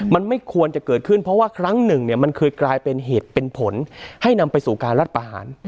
มันไม่ควรจะเกิดขึ้นเพราะว่าครั้งหนึ่งเนี่ยมันเคยกลายเป็นเหตุเป็นผลให้นำไปสู่การรัฐประหาร